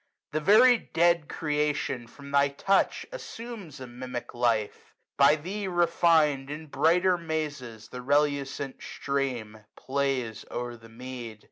The very dead creation, from thy touch, 160 Assumes a mimic life. By thee refin'd. In brighter mazes the relucent stream Plays o'er the mead.